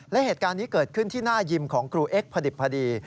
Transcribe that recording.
และเหตุการณ์นี้เกิดขึ้นที่หน้ายิมของครูเอ็กซอดิบพอดี